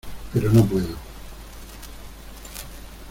pero no puedo.